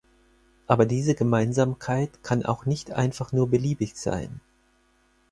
Aber diese Gemeinsamkeit kann auch nicht einfach nur beliebig sein.